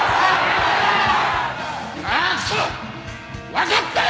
分かったよ！